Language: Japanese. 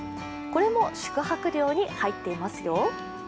これも宿泊料に入っていますよ。